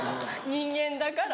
人間だから。